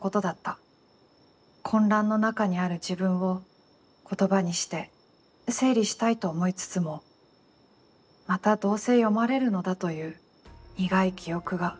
混乱の中にある自分を言葉にして整理したいと思いつつも、またどうせ読まれるのだという苦い記憶が、彼女を躊躇させた」。